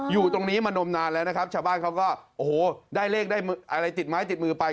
อยู่ตรงนี้มานมนานแล้วนะครับชาวบ้านเขาก็โอ้โหได้เลขได้อะไรติดไม้ติดมือไป